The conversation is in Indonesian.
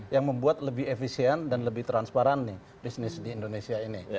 yang membuat lebih efisien dan lebih transparan nih bisnis di indonesia ini